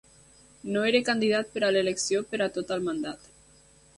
No era candidat per a l'elecció per a tot el mandat.